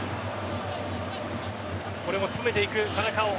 これも詰めていく、田中碧。